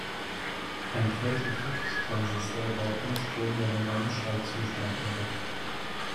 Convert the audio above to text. Ein Feldeffekttransistor braucht nur Strom, wenn er seinen Schaltzustand ändert.